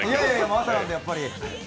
朝なんでやっぱり。